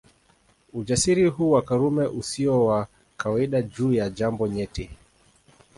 Ujasiri huu wa Karume usio wa kawaida juu ya jambo nyeti